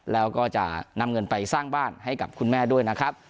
แล้วก็จะนำเงินไปสร้างบ้านให้กับคุณแม่ด้วยนะครับ